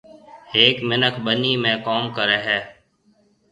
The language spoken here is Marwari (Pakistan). هيََڪ مِنک ٻنِي ۾ ڪوم ڪري هيَ۔